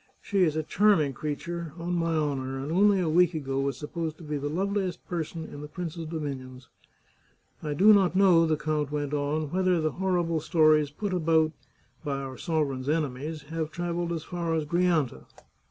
She is a charm ing creature, on my honour, and only a week ago was 115 The Chartreuse of Parma supposed to be the loveliest person in the prince's do minions. " I do not know," the count went on, " whether the hor rible stories put about by our sovereign's enemies have travelled as far as Grianta.